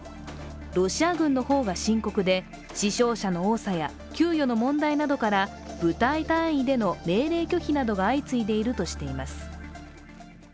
ロシア軍の方が深刻で死傷者の多さや、給与の問題などから部隊単位での命令拒否などが相次いでいるとしています。